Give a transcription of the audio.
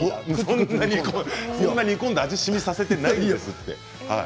そんなに煮込んで味しみ込ませていないですよ。